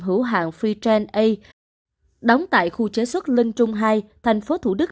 hữu hạng freetrend a đóng tại khu chế xuất linh trung hai thành phố thủ đức